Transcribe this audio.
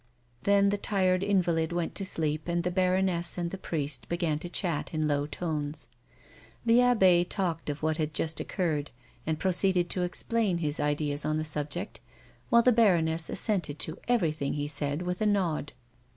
'I'hen the tired invalid went to sleep and the baroness and the priest began to chat in low tones. The abbe talked of what had just occurred and proceeded to explain his ideas on the subject, while the baroness assented to everything he said with a nod.